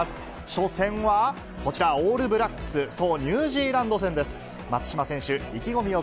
初戦はこちら、オールブラックス、そう、ニュージーランド戦です。